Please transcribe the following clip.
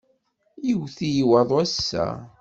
Yewwet-iyi waḍu ass-a.